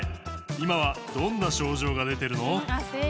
今はどんな症状が出てるの？